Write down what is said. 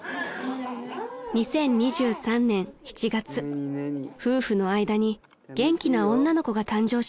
［２０２３年７月夫婦の間に元気な女の子が誕生しました］